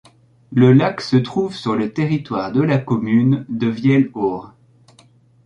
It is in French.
Le lac se trouve sur le territoire de la commune de Vielle-Aure.